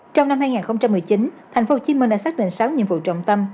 trong năm hai nghìn một mươi chín tp hcm đã xác định sáu nhiệm vụ trọng tâm